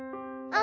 「あ！」